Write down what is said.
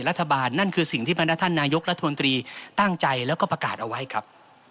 นั่นคือสิ่งที่พนักท่านนายกรัฐมนตรีตั้งใจแล้วก็ประกาศเอาไว้ครับ